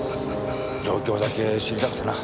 状況だけ知りたくてな。